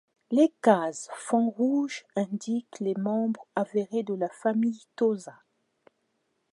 Les cases fond rouge indiquent les membres avérés de la famille Tosa.